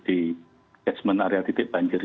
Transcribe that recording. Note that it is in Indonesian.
di catchment area titik banjir